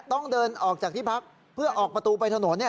ต้องเดินออกจากที่พักเพื่อออกประตูไปถนน